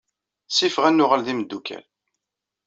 Sifeɣ ad nuɣal d imeddukal.